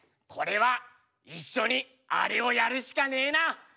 これは一緒にあれをやるしかねえな。